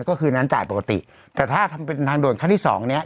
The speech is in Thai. ก็คือนั้นจ่ายปกติแต่ถ้าทำเป็นทางด่วนขั้นที่สองเนี้ย